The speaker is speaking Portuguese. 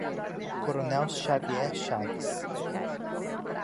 Coronel Xavier Chaves